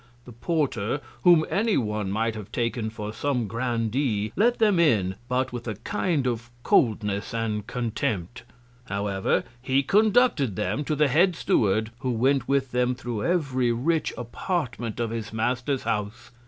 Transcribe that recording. The Porter, whom any One might have taken for some Grandee, let them in, but with a kind of Coldness and Contempt. However, he conducted them to the Head Steward, who went with them thro' every rich Apartment of his Master's House.